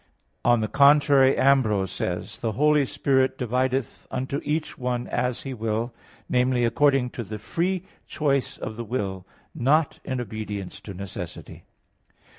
On the contrary, Ambrose says (De Fide ii, 3): "The Holy Spirit divideth unto each one as He will, namely, according to the free choice of the will, not in obedience to necessity."